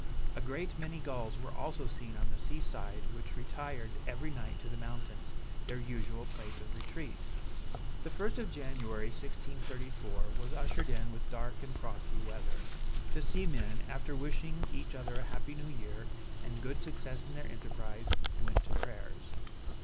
A great many gulls were also seen on the sea side which retired every night to the mountains, their usual place of retreat. The first of January 1634, was ushered in with dark and frosty weather; the seamen, after wishing each other a happy new year, and good success in their enterprize, went to prayers.